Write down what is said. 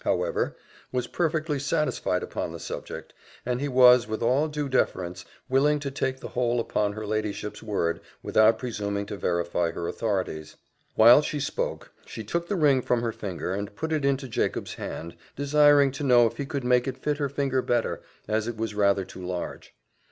], however, was perfectly satisfied upon the subject, and he was, with all due deference, willing to take the whole upon her ladyship's word, without presuming to verify her authorities. While she spoke, she took the ring from her finger, and put it into Jacob's hand, desiring to know if he could make it fit her finger better, as it was rather too large.